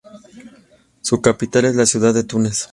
Su capital es la ciudad de Túnez.